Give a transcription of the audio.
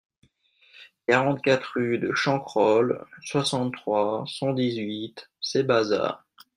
quarante-quatre rue de Chancrole, soixante-trois, cent dix-huit, Cébazat